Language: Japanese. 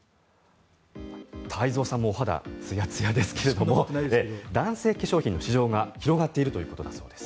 太蔵さんもお肌ツヤツヤですけれども男性化粧品の市場が広がっているということだそうです。